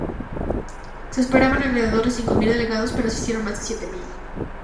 Se esperaban alrededor de cinco mil delegados, pero asistieron más de siete mil.